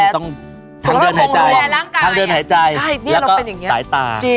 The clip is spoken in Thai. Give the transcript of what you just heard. ต้องดูแลทางเดินหายใจแล้วก็สายตา